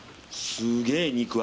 すげえ肉厚。